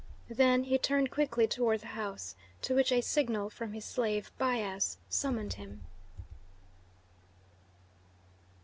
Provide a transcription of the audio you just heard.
Then he turned quickly toward the house, to which a signal from his slave Bias summoned him.